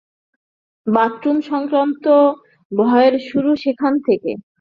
বাথরুম-সংক্রান্ত ভয়ের শুরু সেখান থেকে।